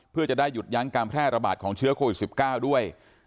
เพื่อจะได้หยุดยั้งการแพร่ระบาดของเชื้อโควิด๑๙ด้วย